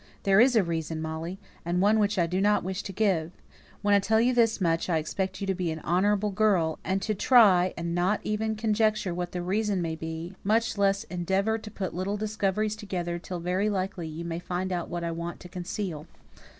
"There is a reason, Molly, and one which I do not wish to give. When I tell you this much, I expect you to be an honourable girl, and to try and not even conjecture what the reason may be, much less endeavour to put little discoveries together till very likely you may find out what I want to conceal."